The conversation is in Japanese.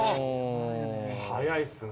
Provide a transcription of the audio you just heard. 早いっすね。